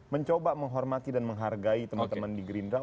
mencoba menghormati dan menghargai teman teman di gerindra